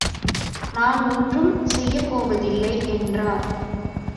நான் ஒன்றும் செய்யப்போவதில்லை என்றார்.